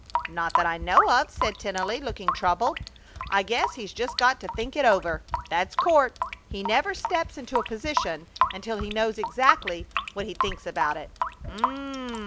"Not that I know of," said Tennelly, looking troubled. "I guess he's just got to think it over. That's Court. He never steps into a position until he knows exactly what he thinks about it." "M m m!